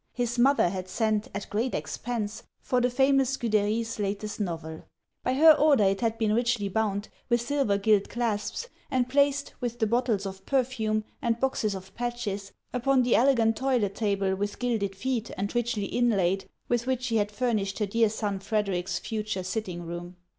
His mother had sent, at great expense, for the famous Scude'ry's latest novel. By her order it had been richly bound, with silver gilt clasps, and placed, with the bottles of perfume and boxes of patches, upon the elegant toilet table, with gilded feet, and richly inlaid, with which she had furnished her dear son Frederic's future sitting room.